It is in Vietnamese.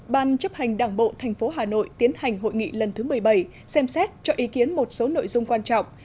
ban chấp hành đảng bộ tp hà nội tiến hành hội nghị lần thứ một mươi bảy xem xét cho ý kiến một số nội dung quan trọng